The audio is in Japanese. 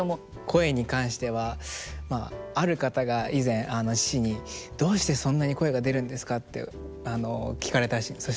声に関してはある方が以前父に「どうしてそんなに声が出るんですか？」って聞かれたらしいんです。